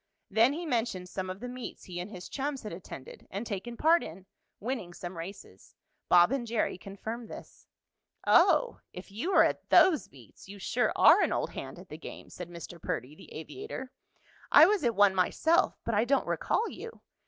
Then he mentioned some of the meets he and his chums had attended and taken part in, winning some races. Bob and Jerry confirmed this. "Oh, if you were at those meets you sure are an old hand at the game!" said Mr. Perdy, the aviator. "I was at one myself, but I don't recall you.